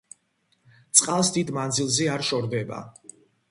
წყალს დიდ მანძილზე არ შორდება.